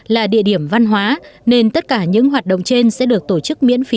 là địa điểm văn hóa nên tất cả những hoạt động trên sẽ được tổ chức miễn phí